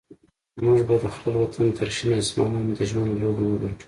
موږ به د خپل وطن تر شین اسمان لاندې د ژوند لوبه وګټو.